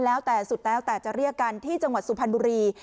แล้วแต่สุดแล้วแต่จะเรียกกันที่จังหวัดสุพรรณบุรี